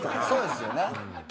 そうですよね。